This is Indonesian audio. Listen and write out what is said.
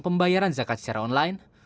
pembayaran zakat secara online